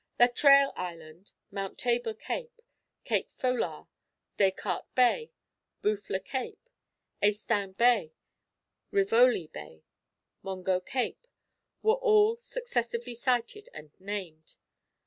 Latreille Island, Mount Tabor Cape, Cape Folard, Descartes Bay, Bouffler Cape, Estaing Bay, Rivoli Bay, Mongo Cape, were all successively sighted and named.